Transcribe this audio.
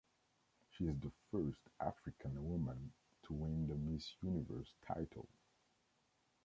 She is the first African woman to win the Miss Universe title.